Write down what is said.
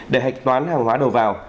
để hạch toán hàng hóa đầu vào